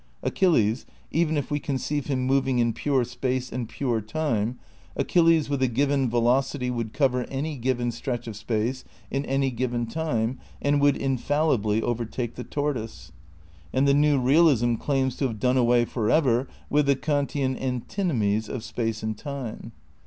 Achillea — even if we conceive him moving in pure space and pure time — ^Achilles with a given velocity would cover any given stretch of space in any given time and would infallibly overtake the tortoise. And the new realism claims to have done away for ever with the Kantian antinomies of space and time.